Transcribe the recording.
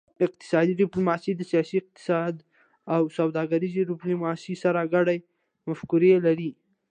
اقتصادي ډیپلوماسي د سیاسي اقتصاد او سوداګریزې ډیپلوماسي سره ګډې مفکورې لري